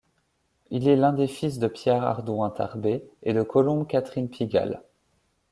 Il est l'un des fils de Pierre-Hardouin Tarbé et de Colombe Catherine Pigalle.